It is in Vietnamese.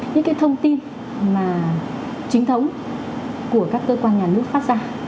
những cái thông tin mà chính thống của các cơ quan nhà nước phát ra